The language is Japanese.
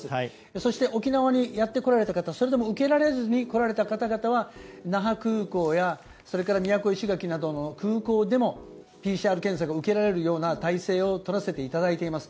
そして、沖縄にやってこられた方それでも受けられずに来られた方々は、那覇空港やそれから宮古、石垣などの空港でもＰＣＲ検査が受けられるような体制をとらせていただいています。